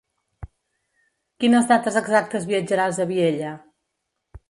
Quines dates exactes viatjaràs a Vielha?